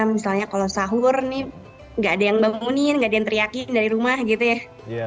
misalnya kalau sahur nih nggak ada yang bangunin nggak ada yang teriakin dari rumah gitu ya